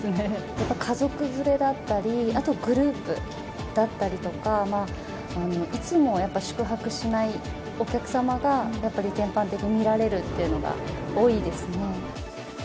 やっぱ家族連れだったり、あとグループだったりとか、いつもはやっぱり宿泊しないお客様が、やっぱり全般的に見られるというのが多いですね。